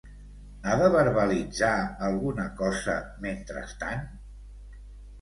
Ha de verbalitzar alguna cosa mentrestant?